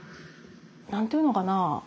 何て言うのかな